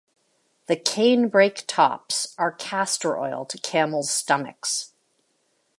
The canebrake tops are castor-oil to camels' stomachs.